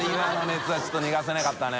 稜ちょっと逃がせなかったね。